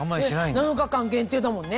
７日間限定だもんね。